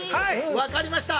分かりました。